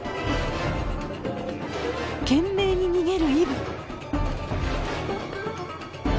懸命に逃げるイブ。